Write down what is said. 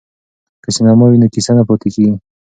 که سینما وي نو کیسه نه پاتیږي.